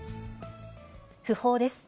訃報です。